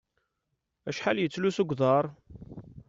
Acḥal yettlusu deg uḍaṛ?